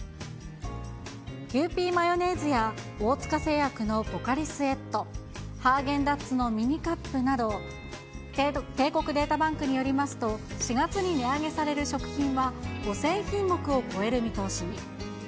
キユーピーマヨネーズや、大塚製薬のポカリスエット、ハーゲンダッツのミニカップなど、帝国データバンクによりますと、４月に値上げされる食品は、５０００品目を超える見通しに。